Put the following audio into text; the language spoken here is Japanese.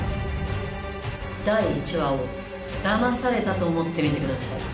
第１話をだまされたと思って見てください。